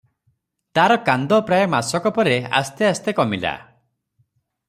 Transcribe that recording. ତାର କାନ୍ଦ ପ୍ରାୟ ମାସକ ପରେ ଆସ୍ତେ ଆସ୍ତେ କମିଲା ।